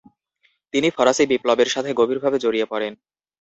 তিনি ফরাসি বিপ্লবের সাথে গভীরভাবে জড়িয়ে পড়েন।